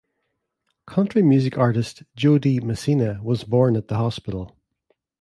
Country music artist Jo Dee Messina was born at the hospital.